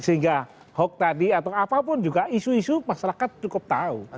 sehingga hoax tadi atau apapun juga isu isu masyarakat cukup tahu